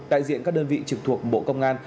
đại diện các đơn vị trực thuộc bộ công an